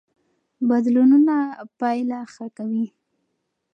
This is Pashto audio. بدلونونه پایله ښه کوي.